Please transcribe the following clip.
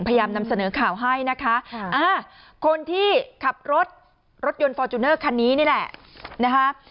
นำเสนอข่าวให้นะคะคนที่ขับรถรถยนต์ฟอร์จูเนอร์คันนี้นี่แหละนะคะ